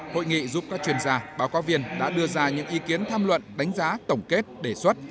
hội nghị giúp các chuyên gia báo cáo viên đã đưa ra những ý kiến tham luận đánh giá tổng kết đề xuất